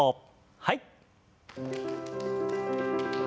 はい。